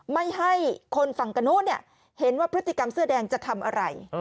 ไม่ให้คนฝั่งกระนู้นเห็นว่าพฤติกรรมเสื้อแดงจะทำอะไร